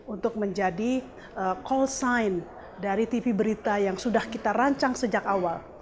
untuk menjadi call sign dari tv berita yang sudah kita rancang sejak awal